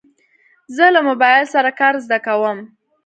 زه له موبایل سره کار زده کوم.